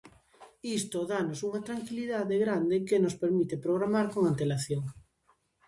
Isto danos unha tranquilidade grande que nos permite programar con antelación.